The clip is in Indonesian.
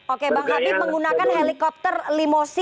oke bang habib menggunakan helikopter limosin vvip